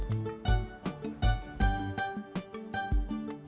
saya mau setol